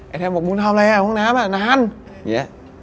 ไอ้แท้บอกมึงทำอะไรอะห้องน้ำอะนาน